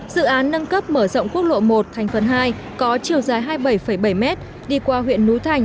dự án nâng cấp mở rộng quốc lộ một thành phần hai có chiều dài hai mươi bảy bảy mét đi qua huyện núi thành